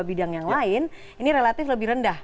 bidang yang lain ini relatif lebih rendah